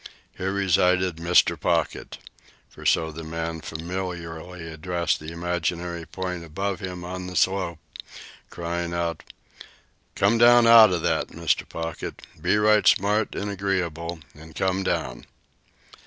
Here resided "Mr. Pocket" for so the man familiarly addressed the imaginary point above him on the slope, crying out: "Come down out o' that, Mr. Pocket! Be right smart an' agreeable, an' come down!"